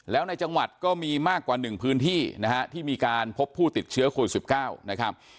แล้วในจังหวัดก็มีมากกว่า๑พื้นที่นะฮะที่มีการพบผู้ติดเชื้อโควิด๑๙นะครับ